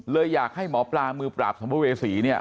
เลยอยากให้หมอปลามือปราบของเวที